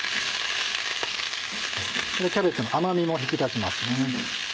キャベツの甘みも引き立ちますね。